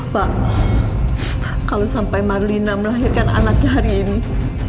pak kalau sampai marlina melahirkan anaknya hari ini